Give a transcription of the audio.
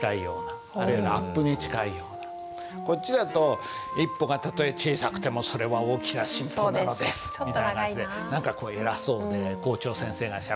こっちだと「一歩がたとえ小さくてもそれは大きな進歩なのです」みたいな感じで何か偉そうで校長先生がしゃべってるみたいなね。